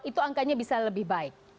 itu angkanya bisa lebih baik